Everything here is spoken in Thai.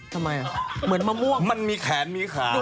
ทำไมเหมือนมะม่วงมันมีแขนมีขา